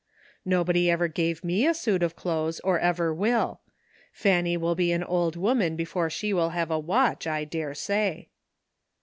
Nobody ever gave me a suit of clothes or ever will. Fanny will be an old woman before she will have a watch, I dare say."